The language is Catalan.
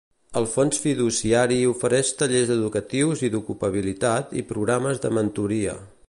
El fons fiduciari ofereix tallers educatius i d'ocupabilitat i programes de mentoria.